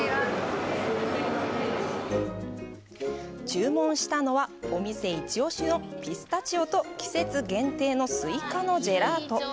注文したのはお店一押しのピスタチオと季節限定のスイカのジェラート。